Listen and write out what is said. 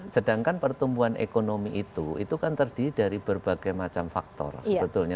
sedangkan pertumbuhan ekonomi itu itu kan terdiri dari berbagai macam faktor sebetulnya